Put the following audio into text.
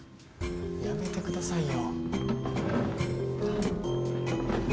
やめてくださいよ。